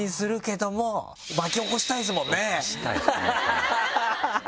ハハハハ！